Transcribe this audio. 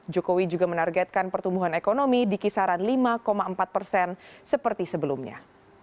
jokowi juga menargetkan pertumbuhan ekonomi di kisaran lima empat persen seperti sebelumnya